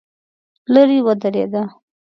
لرې ودرېده.